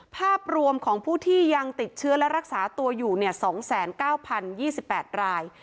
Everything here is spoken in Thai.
ภาพรวมของผู้ที่ยังติดเชื้อและรักษาตัวอยู่เนี่ยสองแสนเก้าพันยี่สิบแปดราย